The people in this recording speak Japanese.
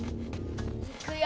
いくよ！